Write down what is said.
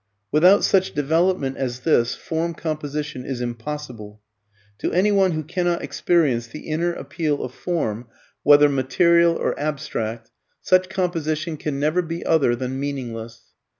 Without such development as this, form composition is impossible. To anyone who cannot experience the inner appeal of form (whether material or abstract) such composition can never be other than meaningless.